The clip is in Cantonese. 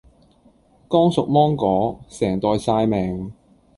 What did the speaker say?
剛熟芒果，成袋曬命